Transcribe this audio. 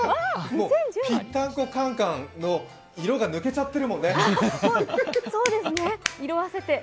もう「ぴったんこカン・カン」の色が抜けちゃってるもんね。